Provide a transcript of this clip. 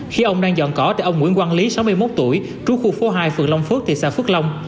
khi ông đang dọn cỏ thì ông nguyễn quang lý sáu mươi một tuổi trú khu phố hai phường long phước thị xã phước long